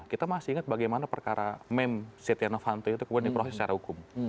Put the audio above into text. kita masih ingat bagaimana perkara meme setia novanto itu kemudian diproses secara hukum